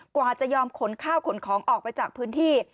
กว่าจะยอมขนข้าวขนของออกไปจากพื้นที่